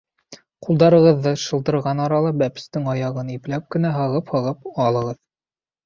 Ҡулдарығыҙҙы шылдырған арала бәпестең аяғын ипләп кенә һығып-һығып алығыҙ.